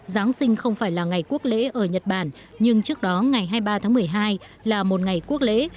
giáng sinh không phải là ngày quốc lễ ở nhật bản nhưng trước đó ngày hai mươi ba tháng một mươi hai là một ngày quốc lễ